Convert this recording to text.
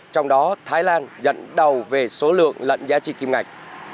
trong đó thái lan dẫn đầu về số lượng lẫn giá trị kim ngạch